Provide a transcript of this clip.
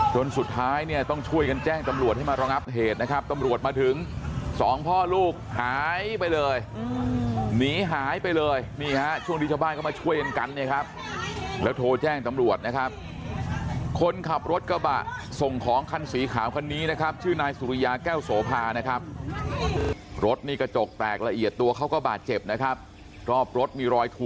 สุดท้ายเนี่ยต้องช่วยกันแจ้งตำรวจให้มารองับเหตุนะครับตำรวจมาถึงสองพ่อลูกหายไปเลยหนีหายไปเลยนี่ฮะช่วงที่ชาวบ้านเข้ามาช่วยกันกันเนี่ยครับแล้วโทรแจ้งตำรวจนะครับคนขับรถกระบะส่งของคันสีขาวคันนี้นะครับชื่อนายสุริยาแก้วโสภานะครับรถนี่กระจกแตกละเอียดตัวเขาก็บาดเจ็บนะครับรอบรถมีรอยถูก